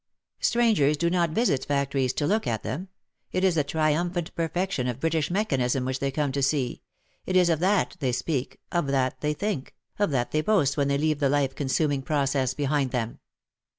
Strangers do not visit factories to look at them ; it is the triumphant perfection of British mechanism which they come to see, it is of that they speak, of that they think, of that they boast when they leave the life consuming process behind them.